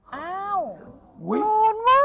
อ้าวโหลนมาก